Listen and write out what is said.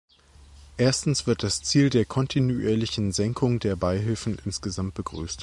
Erstens wird das Ziel der kontinuierlichen Senkung der Beihilfen insgesamt begrüßt.